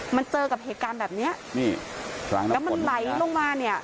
มันเจอกับเหตุการณ์แบบเนี้ยนี่ครั้งนั้นแล้วมันไหลลงมาเนี่ย